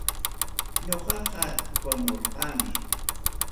Ñuqaqa tupamurqani.